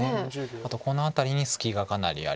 あとこの辺りに隙がかなりあります。